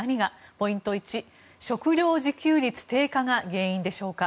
ポイント１食料自給率低下が原因でしょうか。